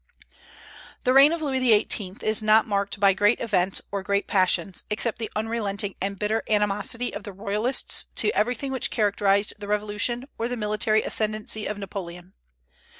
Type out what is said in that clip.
The reign of Louis XVIII. is not marked by great events or great passions, except the unrelenting and bitter animosity of the Royalists to everything which characterized the Revolution or the military ascendency of Napoleon.